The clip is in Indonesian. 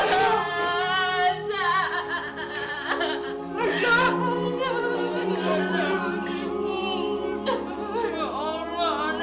ya allah anakku ya allah